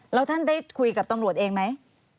แล้วท่านได้คุยกับตำรวจเองไหม